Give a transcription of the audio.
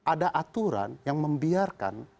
ada aturan yang membiarkan